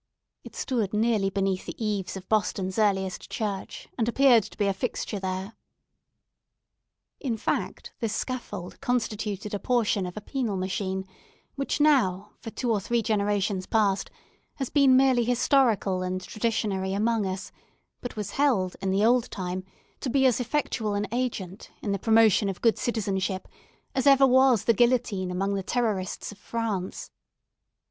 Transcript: It stood nearly beneath the eaves of Boston's earliest church, and appeared to be a fixture there. In fact, this scaffold constituted a portion of a penal machine, which now, for two or three generations past, has been merely historical and traditionary among us, but was held, in the old time, to be as effectual an agent, in the promotion of good citizenship, as ever was the guillotine among the terrorists of France.